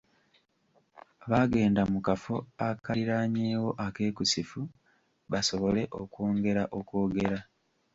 Baagenda mu kafo akaliraanyeewo akeekusifu, basobole okwongera okwogera.